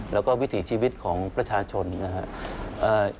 แล้วก็วิถีชีวิตของประชาชนนะครับ